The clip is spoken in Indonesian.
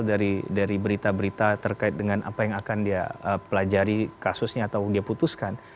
dari berita berita terkait dengan apa yang akan dia pelajari kasusnya atau dia putuskan